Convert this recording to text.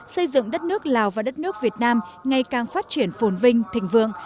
xây dựng đất nước lào và đất nước việt nam ngày càng phát triển phồn vinh thịnh vượng